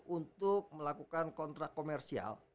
untuk melakukan kontrak komersial